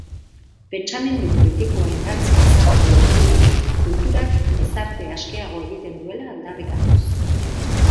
Pentsamendu kritikoa indartzea izango du helburu, kulturak gizartea askeago egiten duela aldarrikatuz.